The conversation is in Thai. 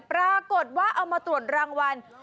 ปรากฏว่าเอามาตรวจรางวัล